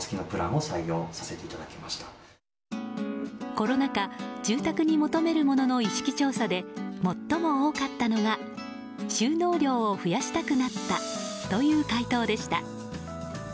コロナ禍住宅に求めるものの意識調査で最も多かったのが収納量を増やしたくなったという回答でした。